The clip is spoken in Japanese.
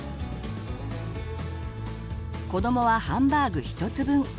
子どもはハンバーグ１つ分。